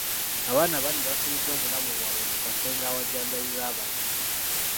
Abaana bangi bafiiriddwa obulamu bwabwe mu kasenge awajjanjabirwa abayi.